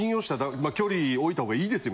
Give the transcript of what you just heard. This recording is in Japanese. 距離置いた方がいいですよ